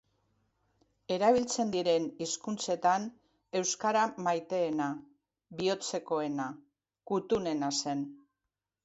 Erabiltzen diren hizkuntzetan euskara maiteena, bihotzekoena, kutunena zen.